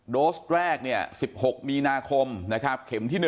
โดสแรก๑๖มีนาคมนะครับเข็มที่๑